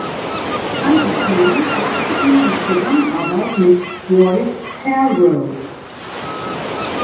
Anerkennung brachte ihm die Zusammenarbeit mit Roy Hargrove.